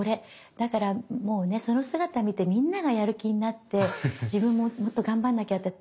だからもうねその姿見てみんながやる気になって自分ももっと頑張んなきゃって。